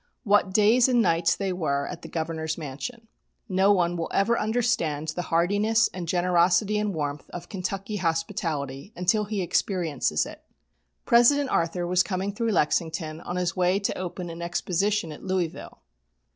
What days and nights they were at the Governor's Mansion. No one will ever understand the heartiness and generosity and warmth of Kentucky hospitality until he experiences it. President Arthur was coming through Lexington on his way to open an Exposition at Louisville.